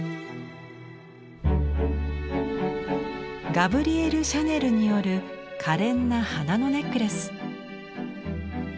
ガブリエル・シャネルによる可憐な花のネックレス。